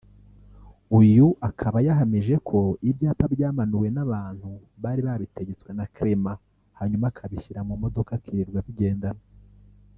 uyu akaba yahamije ko ibyapa byamanuwe n’abantu bari babitegetswe na Clement hanyuma akabishyira mu modoka akirirwa abigendana